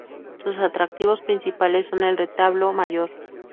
Sus atractivos principales son el retablo mayor.